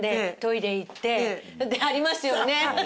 ありますよね。